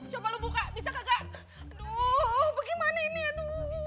coba lo buka bisa kagak aduh bagaimana ini aduh